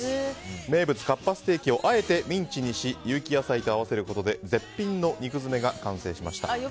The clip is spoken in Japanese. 名物かっぱステーキをあえてミンチにし有機野菜と合わせることで絶品の肉詰めが完成しました。